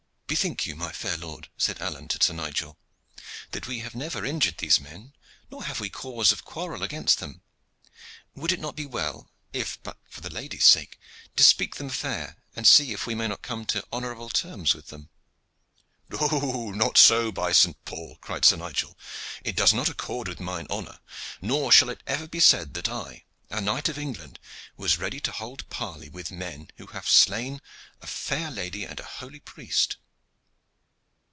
"Bethink you, my fair lord," said Alleyne to Sir Nigel, "that we have never injured these men, nor have we cause of quarrel against them. Would it not be well, if but for the lady's sake, to speak them fair and see if we may not come to honorable terms with them?" "Not so, by St. Paul!" cried Sir Nigel. "It does not accord with mine honor, nor shall it ever be said that I, a knight of England, was ready to hold parley with men who have slain a fair lady and a holy priest."